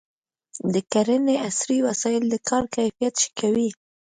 د کرنې عصري وسایل د کار کیفیت ښه کوي.